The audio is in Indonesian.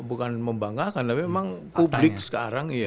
bukan membanggakan tapi memang